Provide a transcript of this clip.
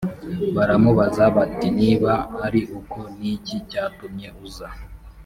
baramubaza bati niba ari uko ni iki cyatumye uza